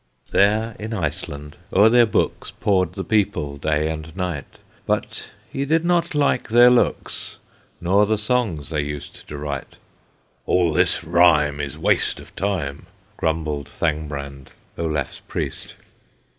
There in Iceland, o'er their books Pored the people day and night, But he did not like their looks, Nor the songs they used to write. "All this rhyme Is waste of time!" Grumbled Thangbrand, Olaf's Priest.